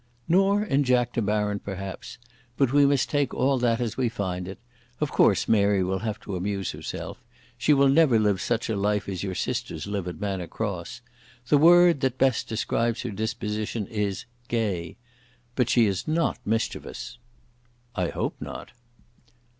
"Nor in Jack De Baron, perhaps. But we must take all that as we find it. Of course Mary will have to amuse herself. She will never live such a life as your sisters live at Manor Cross. The word that best describes her disposition is gay. But she is not mischievous." "I hope not."